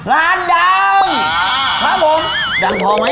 ร้านดำครับผมดังพอมั้ย